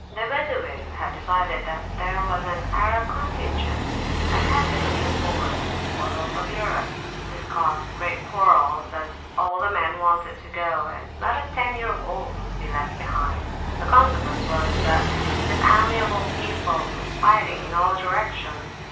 The Badawin had decided that there was to be an "Arab contingent," and had been looking forward to the spoils of Europe: this caused quarrels, as all the men wanted to go, and not a ten year old would be left behind. The consequence was, that this amiable people was fighting in all directions.